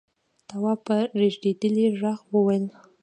تواب په رېږديدلي غږ وويل: